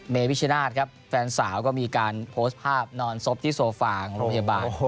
วิชนาธิ์ครับแฟนสาวก็มีการโพสต์ภาพนอนศพที่โซฟางโรงพยาบาล